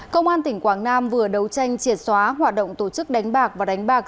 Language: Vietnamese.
công an tỉnh quảng nam vừa đấu tranh triệt xóa hoạt động tổ chức đánh bạc và đánh bạc